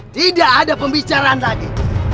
tidak ada pembicaraan lagi